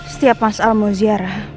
setiap mas al mau ziarah